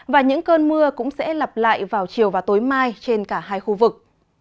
và những cơn mưa cũng sẽ lặp lại vào chiều và tối mai trên cả hai khu vực